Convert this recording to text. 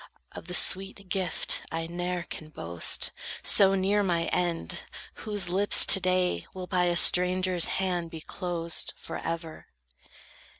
Of the sweet gift I ne'er can boast, so near my end, whose lips To day will by a stranger's hand be closed Forever."